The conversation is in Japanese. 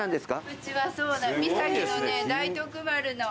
うちはそうなの。